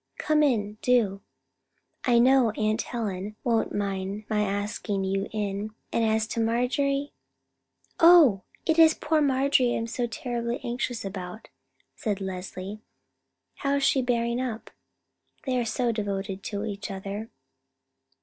Come in, do. I know Aunt Helen won't mind my asking you in, and as to Marjorie——" "Oh! it is poor Marjorie I am so terribly anxious about," said Leslie. "How is she bearing up? They are so devoted to each other."